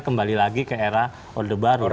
kembali lagi ke era orde baru